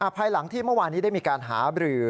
ภายหลังที่เมื่อวานนี้ได้มีการหาบรือ